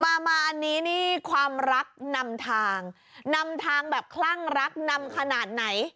มามาอันนี้นี่ความรักนำทางนำทางแบบคลั่งรักนำขนาดไหน